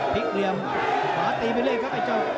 พลิกเหลี่ยมขวาตีไปเลยครับไอ้เจ้า